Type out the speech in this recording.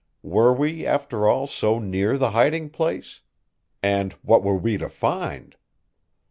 Were we, after all, so near the hiding place? And what were we to find?